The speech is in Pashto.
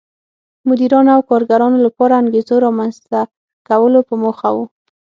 مدیرانو او کارګرانو لپاره انګېزو رامنځته کولو په موخه و.